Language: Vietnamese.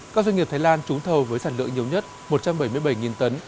các doanh nghiệp thái lan trúng thầu với sản lượng nhiều nhất một trăm bảy mươi bảy tấn